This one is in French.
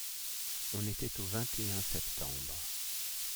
On était au vingt et un septembre.